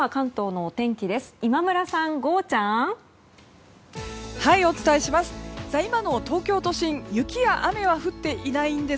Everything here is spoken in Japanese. お伝えします。